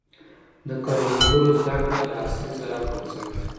د کروندګرو زده کړه د عصري زراعت بنسټ دی.